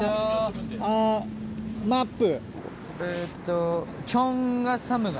マップ！